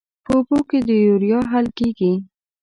په اوبو کې د یوریا حل کیږي.